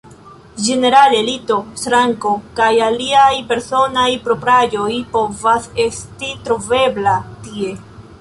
Ĝenerale, lito, ŝranko, kaj aliaj personaj propraĵoj povas esti trovebla tie.